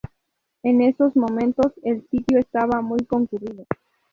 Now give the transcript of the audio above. En esos momentos el sitio estaba muy concurrido.